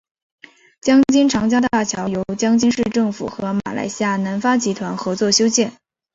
江津长江大桥由江津市政府和马来西亚南发集团合作修建。